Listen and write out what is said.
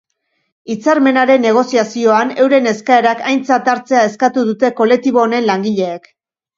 Hitzarmenaren negoziazioan euren eskaerak aintzat hartzea eskatu dute kolektibo honen langileek.